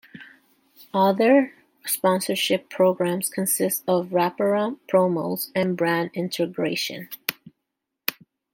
Other sponsorship programs consist of wraparound promos and brand integration.